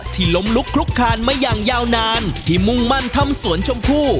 ล้มลุกคลุกคลานมาอย่างยาวนานที่มุ่งมั่นทำสวนชมพู่